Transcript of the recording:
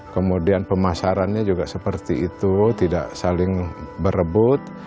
kemudian pemasarannya juga seperti itu tidak saling berebut